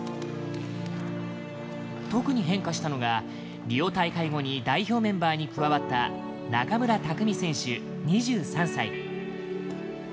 特に変化したのがリオ大会後に代表メンバーに加わった中村拓海選手、２３歳。